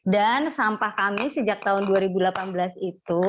dan sampah kami sejak tahun dua ribu delapan belas itu